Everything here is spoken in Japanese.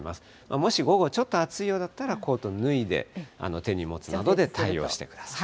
もし午後、ちょっと暑いようだったら、コート脱いで、手に持つなどで対応してください。